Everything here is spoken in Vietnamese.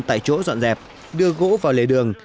tại chỗ dọn dẹp đưa gỗ vào lề đường